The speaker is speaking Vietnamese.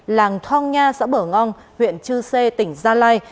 làng thong nha xã bở ngon huyện chư sê tỉnh gia lai